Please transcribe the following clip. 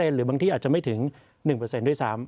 หรือบางที่อาจจะไม่ถึง๑ด้วยซ้ำ